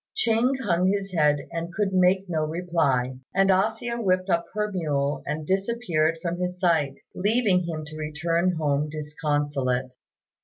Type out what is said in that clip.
Ching hung his head and could make no reply; and A hsia whipped up her mule and disappeared from his sight, leaving him to return home disconsolate.